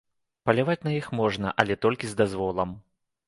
Паляваць на іх можна, але толькі з дазволам.